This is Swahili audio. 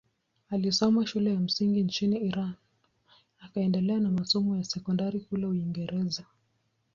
Alisoma shule ya msingi nchini Iran akaendelea na masomo ya sekondari kule Uingereza.